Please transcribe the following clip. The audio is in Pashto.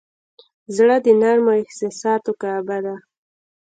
زړه د نرمو احساساتو کعبه ده.